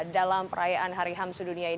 dalam perayaan hari hamsu dunia